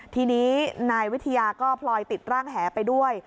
ทีนี้นายวิทยาก็พลอยติดร่างแหไปด้วย